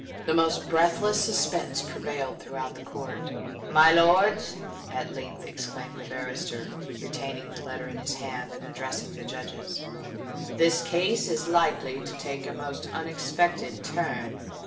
The most breathless suspense prevailed throughout the court. "My lords," at length exclaimed the barrister, retaining the letter in his hand, and addressing the Judges, "this case is likely to take a most unexpected turn."